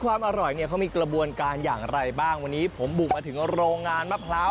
ความอร่อยเนี่ยเขามีกระบวนการอย่างไรบ้างวันนี้ผมบุกมาถึงโรงงานมะพร้าว